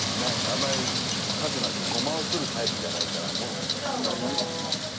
あんまりカズなんかゴマをするタイプじゃないからもうあんまりね。